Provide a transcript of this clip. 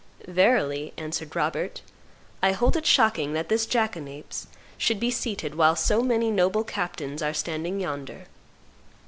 "Verily," answered Robert, "I hold it shocking that this jackanapes should be seated, whilst so many noble captains are standing yonder."